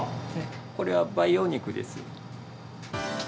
これは培養肉です。